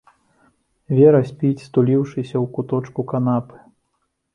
Вера спіць, стуліўшыся ў куточку канапы.